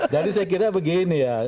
jadi saya kira begini ya